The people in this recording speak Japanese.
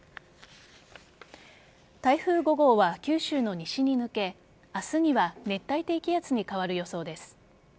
台風５号は九州の西に抜け明日には熱帯低気圧に変わる予想です。